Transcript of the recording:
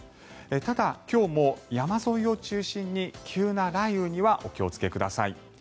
ただ、今日も山沿いを中心に急な雷雨にはお気をつけください。